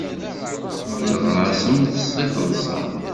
Tteɣraṣemt seg teḍsa.